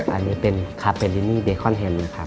อันนี้เป็นคัพเปรินิเบคอนแฮมครับ